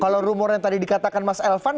kalau rumor yang tadi dikatakan mas elvan